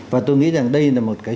và tôi nghĩ rằng đây là một cái